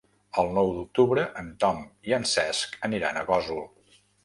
El nou d'octubre en Tom i en Cesc aniran a Gósol.